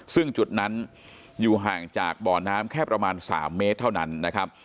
ซึ่งจุดนั้นอยู่ห่างจากบ่อน้ำแค่ประมาณ๓เมตรเท่านั้นนะครับ